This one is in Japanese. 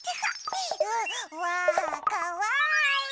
わあかわいい！